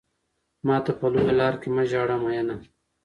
ماته په لويه لار کې مه ژاړه ميننه